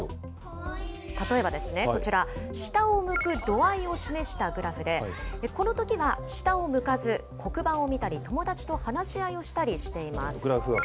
例えばですね、こちら、下を向く度合いを示したグラフで、このときは下を向かず、黒板を見たり、友達と話し合いをしたりしています。